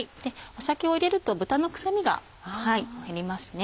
酒を入れると豚の臭みが減りますね。